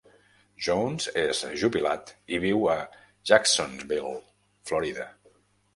Jones és jubilat i viu a Jacksonville, Florida.